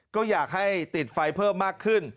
ก็อยากให้ติดไฟเพิ่มมากขึ้น